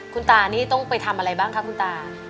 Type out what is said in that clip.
คุณตานี่ต้องไปทำอะไรบ้างคะคุณตา